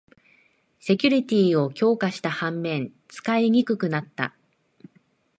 セキュリティーを強化した反面、使いにくくなった